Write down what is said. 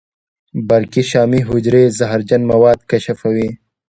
برقي شامي حجرې زهرجن مواد کشفوي.